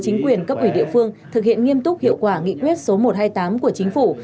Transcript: chính quyền cấp ủy địa phương thực hiện nghiêm túc hiệu quả nghị quyết số một trăm hai mươi tám của chính phủ